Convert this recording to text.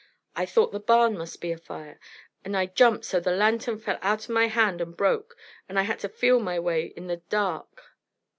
I thought the barn must be afire, and I jumped so the lantern fell outen my hand and broke, and I had to feel my way in the dark."